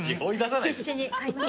必死に「買いました」